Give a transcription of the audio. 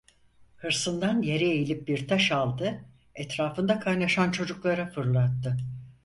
Hırsından yere eğilip bir taş aldı, etrafında kaynaşan çocuklara fırlattı: